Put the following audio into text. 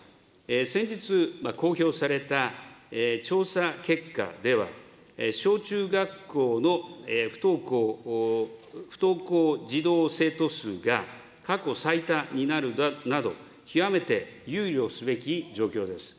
先日、公表された調査結果では、小中学校の不登校児童生徒数が過去最多になるなど、極めて憂慮すべき状況です。